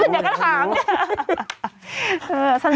เนี้ยก็ถามเนี้ย